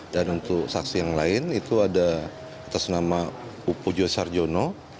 dan untuk saksi yang lain itu ada atas nama pujo sarjono